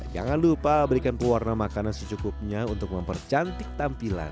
jangan lupa berikan pewarna makanan secukupnya untuk mempercantik tampilan